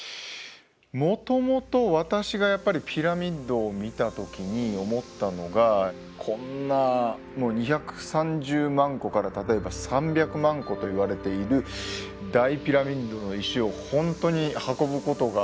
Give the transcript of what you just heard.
もともと私がやっぱりピラミッドを見た時に思ったのがこんなもう２３０万個から例えば３００万個といわれている大ピラミッドの石を本当に運ぶことが人類ができたのかとかね。